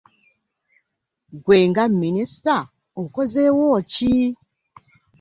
Ggwe nga minisita okozeewo ki?